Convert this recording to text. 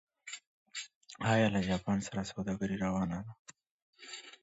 ایا له جاپان سره سوداګري روانه ده؟